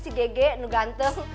si gege itu ganteng